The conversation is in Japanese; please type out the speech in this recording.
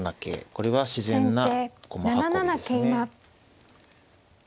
これは自然な駒運びですね。